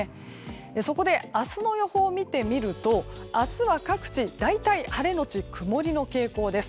そこで、明日の予報を見てみると明日は各地大体晴れのち曇りの傾向です。